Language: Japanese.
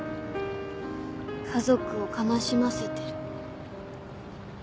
家族を悲しませてる。